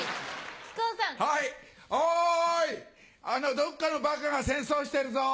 どっかのバカが戦争してるぞ。